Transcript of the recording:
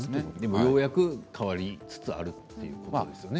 ようやく変わりつつあるということですね